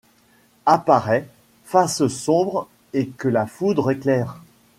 Apparaît, face sombre et que la foudre éclaire